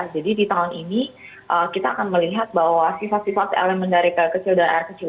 jadi di tahun ini kita akan melihat bahwa sisa sisa elemen dari kayu kecil dan air kecil